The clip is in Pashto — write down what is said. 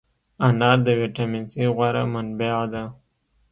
انار د ویټامین C غوره منبع ده.